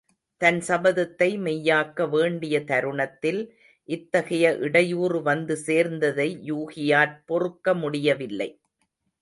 தன் சபதத்தை மெய்யாக்க வேண்டிய தருணத்தில் இத்தகைய இடையூறு வந்து சேர்ந்ததை யூகியாற் பொறுக்க முடியவில்லை.